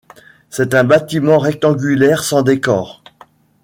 C'est un bâtiment rectangulaire sans décor.